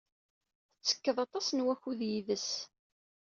Tettekked aṭas n wakud yid-s.